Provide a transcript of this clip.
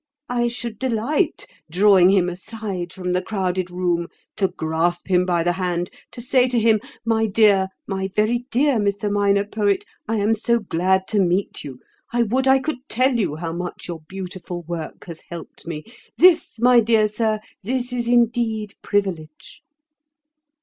I should delight, drawing him aside from the crowded room, to grasp him by the hand, to say to him: 'My dear—my very dear Mr. Minor Poet, I am so glad to meet you! I would I could tell you how much your beautiful work has helped me. This, my dear sir—this is indeed privilege!